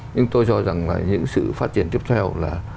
nhưng tôi cho rằng là những sự phát triển tiếp theo là